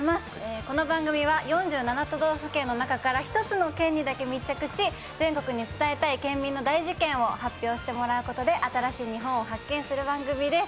この番組は４７都道府県の中から一つの県にだけ密着し全国に伝えたい県民の大事ケンを発表してもらうことで、新しい日本を発見する番組です。